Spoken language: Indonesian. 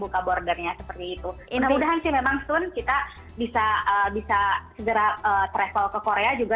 mudah mudahan sih memang tuhan kita bisa bisa segera travel ke korea juga